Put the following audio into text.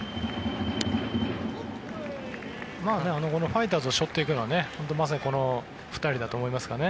ファイターズを背負っていくのはまさにこの２人だと思いますからね。